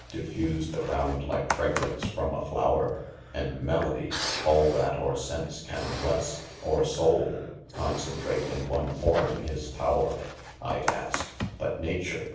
Diffused around like fragrance from a tower 5 — And melody— all thai or sense can Mess, Or said, 'concentrate in am form his power, Fd ask , lt|t Mature.